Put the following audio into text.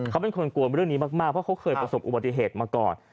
เขาเป็นคนกลัวเรื่องนี้มากเพราะเขาเคยประสบอุบัติเหตุมาก่อน